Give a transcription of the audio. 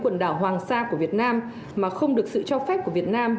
quần đảo hoàng sa của việt nam mà không được sự cho phép của việt nam